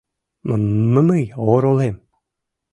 М-м-мый оролем.